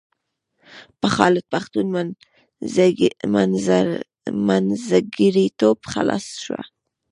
په خالد پښتون منځګړیتوب خلاصه شوه.